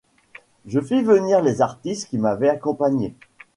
Je fis venir les artistes qui m'avaient accompagnée.